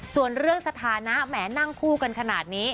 ส่วนเรื่องสถานะแหมนั่งคู่กันขนาดนี้